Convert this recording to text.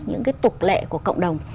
những cái tục lệ của cộng đồng